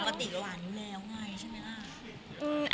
ปกติหวานอยู่แล้วไงใช่ไหมล่ะ